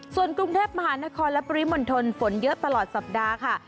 ส่วนกรุงเทพมหานครและปริมณฑลฝนเยอะตลอดสัปดาห์ค่ะ